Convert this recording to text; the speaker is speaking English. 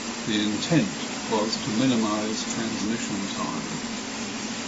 The intent was to minimize transmission time.